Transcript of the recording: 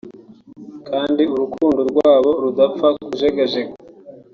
kandi urukundo rwabo rudapfa kujegajega